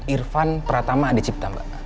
irvan pratama adicipta mbak